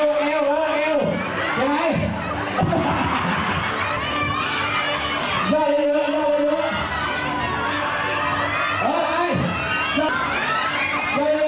โดนยกถ่ายช่างให้มีเผิน